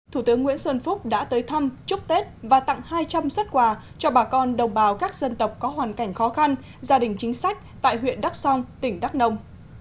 thủ tướng nguyễn xuân phúc đã tới thăm chúc tết và tặng hai trăm linh xuất quà cho bà con đồng bào các dân tộc có hoàn cảnh khó khăn gia đình chính sách tại huyện đắk song tỉnh đắk nông